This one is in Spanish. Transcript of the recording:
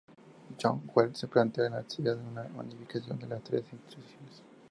John Wells, se planteó la necesidad de una unificación de las dos instituciones.